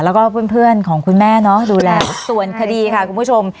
แล้วก็เพื่อนเพื่อนของคุณแม่เนาะดูแลส่วนคดีค่ะคุณผู้ชม